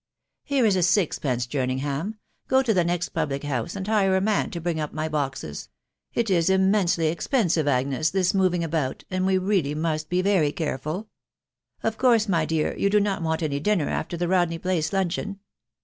<c Here is sixpence, Jerningham r go to the next fablta honee, and hire a' man to Bring up my boxes, ft is immensely exptnsivey Agnes, this moving about* and we really must be very earefaf !.... Of course, my dear, you* db not want any dinner after the Rodney Place luncheon